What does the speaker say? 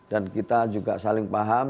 dan kita juga saling paham